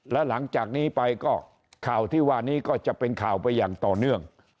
แล้วหลังจากนี้ไปก็ข่าวที่ว่านี้ก็จะเป็นข่าวไปอย่างต่อเนื่อง